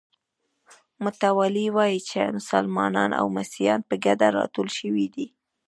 متوالي وایي چې مسلمانان او مسیحیان په ګډه راټول شوي دي.